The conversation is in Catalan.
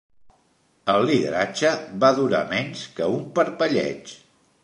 El lideratge va durar menys que un parpelleig.